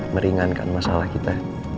meringankan masalah kita